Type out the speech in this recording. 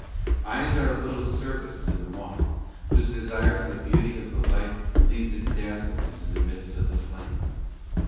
'* Eyes are of little service to the moth, whose desire for the beauty of the light leads it dazzled into the midst of the flame.